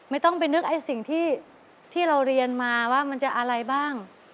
ไม่ต้องไปนึกไอ้สิ่งที่เราเรียนมาว่ามันจะอะไรบ้าง